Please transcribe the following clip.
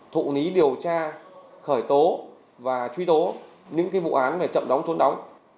thụ ný điều tra khởi tố và truy tố những cái vụ án về chậm đóng trốn đóng